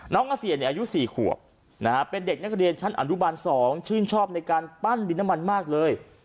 น้องอาเซียเนี่ยอายุ๔ขวบเป็นเด็กนักเรียนชั้นอันดุบัน๒ชื่นชอบในการปั้นดินมันมากเลย